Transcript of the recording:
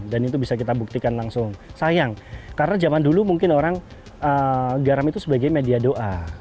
dan itu bisa kita buktikan langsung sayang karena zaman dulu mungkin orang garam itu sebagai media doa